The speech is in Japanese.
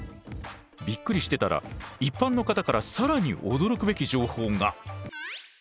びっくりしてたら一般の方から更に驚くべき情報が。